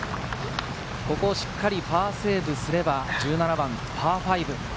ここをしっかりパーセーブすれば、１７番、パー５。